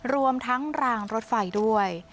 รวมทั้งรางรถไฟด้วย